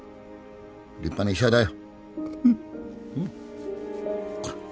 立派な医者だよ。